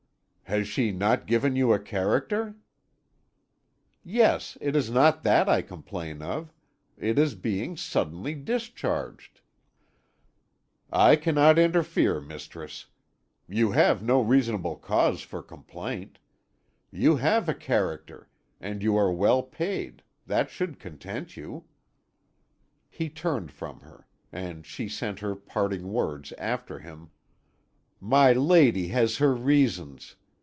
"Has she not given you a character?" "Yes; it is not that I complain of; it is being suddenly discharged." "I cannot interfere, mistress. You have no reasonable cause for complaint. You have a character, and you are well paid; that should content you." He turned from her, and she sent her parting words after him: "My lady has her reasons!